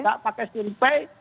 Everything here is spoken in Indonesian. gak pakai surpi